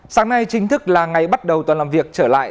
sáng nay chính thức là ngày bắt đầu tuần làm việc trở lại